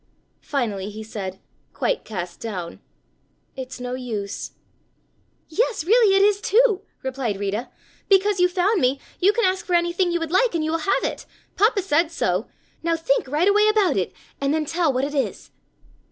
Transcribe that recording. Finally he said, quite cast down: "It's no use." "Yes, really, it is, too," replied Rita, "because you found me you can ask for anything you would like, and you will have it. Papa said so. Now think right away about it and then tell what it is."